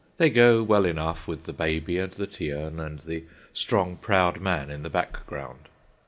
They go well enough with the baby and the tea urn, and the strong, proud man in the background.